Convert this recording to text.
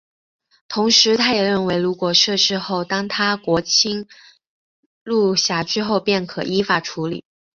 同时他也认为如果设市后当他国侵入管辖区后便可依法处理。